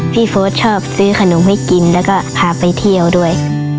โฟสชอบซื้อขนมให้กินแล้วก็พาไปเที่ยวด้วย